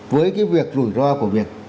với cái việc rủi ro của việc